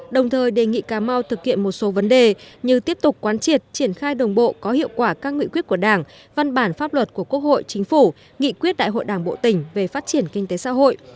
đồng thời đề nghị cà mau thực hiện một số vấn đề như tiếp tục quán triệt triển khai đồng bộ có hiệu quả các nguyện quyết của đảng văn bản pháp luật của quốc hội chính phủ nghị quyết đại hội đảng bộ tỉnh về phát triển kinh tế xã hội